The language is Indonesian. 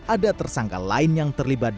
ada tersangka lain yang terlibat